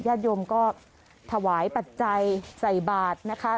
ญาติโยมก็ถวายปัจจัยใส่บาทนะคะ